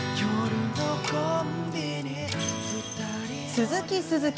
鈴木鈴木。